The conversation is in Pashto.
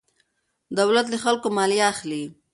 دولت له خلکو مالیه اخلي.